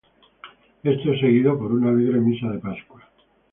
Esto es seguido por una alegre Misa de Pascua.